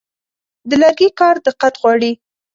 د لرګي کار دقت غواړي.